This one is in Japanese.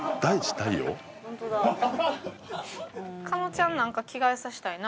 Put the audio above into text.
加納ちゃんなんか着替えさせたいな。